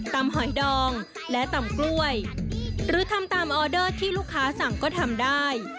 หอยดองและตำกล้วยหรือทำตามออเดอร์ที่ลูกค้าสั่งก็ทำได้